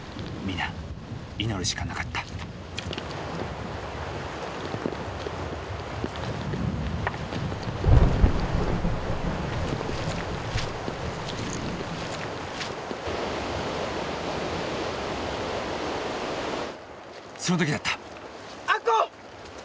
皆祈るしかなかったその時だった！